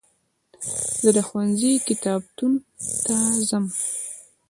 زه د ښوونځي کتابتون ته ځم.